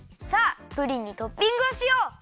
さあプリンにトッピングをしよう！